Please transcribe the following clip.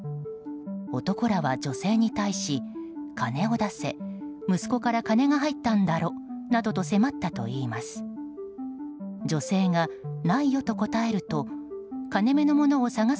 男らは、女性に対し金を出せ息子から金が入ったんだろなどと迫ったといいます。